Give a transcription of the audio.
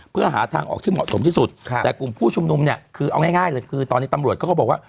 เพื่อหาทางออกที่เหมาะสมที่สุดแต่กลุ่มผู้ชุมนุมเนี่ยคือเอาง่ายเลยคือตอนนี้ตำรวจเขาก็บอกว่า